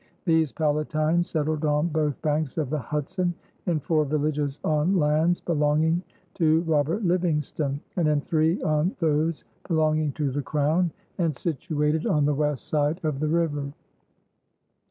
These Palatines settled on both banks of the Hudson in four villages on lands belonging to Robert Livingston, and in three on those belonging to the Crown and situated on the west side of the river.